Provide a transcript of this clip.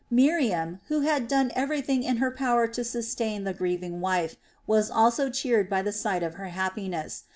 Miriam, who had done everything in her power to sustain the grieving wife, was also cheered by the sight of her happiness.